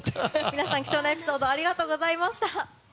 皆さん貴重なエピソードありがとうございました。